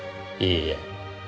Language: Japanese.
いいえ。